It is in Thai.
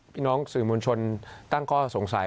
พี่น้องสื่อมวลชนตั้งข้อสงสัย